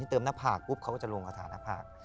เติมหน้าผากปุ๊บเขาก็จะลงกระถาหน้าผาก